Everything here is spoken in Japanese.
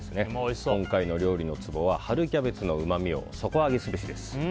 今回の料理のツボは春キャベツのうまみを底上げすべしです。